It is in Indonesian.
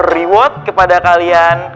reward kepada kalian